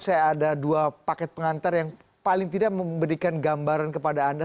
saya ada dua paket pengantar yang paling tidak memberikan gambaran kepada anda